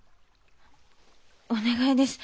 お願いです。